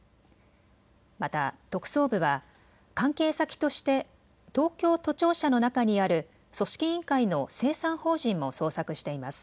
また特捜部は関係先として東京都庁舎の中にある組織委員会の清算法人も捜索しています。